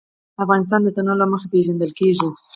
افغانستان د تنوع له مخې پېژندل کېږي.